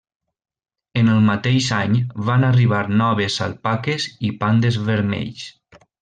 En el mateix any van arribar noves alpaques i pandes vermells.